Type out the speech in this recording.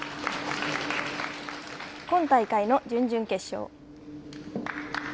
今大会の準々決勝。